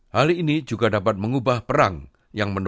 hal ini juga dapat mengubah perang yang menolak